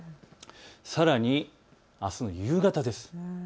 さらにあすの夕方です。